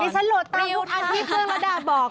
ดิฉันโหลดตั้งทุกท่านมีเครื่องระดาษบอกค่ะ